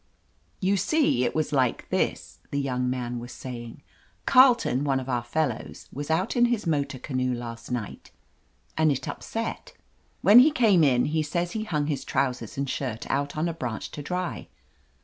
"You see, it was like this," the young man was saying, "Carleton, one of our fellows, was out in his motor canoe last night, and it upset. When he came in, he says he hung his trousers *x\d shirt out on a branch to dry.